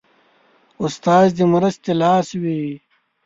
استاد د مرستې لاس وي.